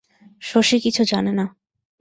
শশী কিছু জানে না।